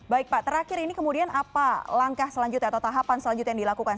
baik pak terakhir ini kemudian apa langkah selanjutnya atau tahapan selanjutnya yang dilakukan